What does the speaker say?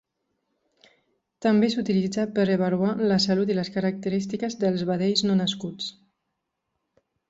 També s'utilitza per avaluar la salut i les característiques dels vedells no nascuts.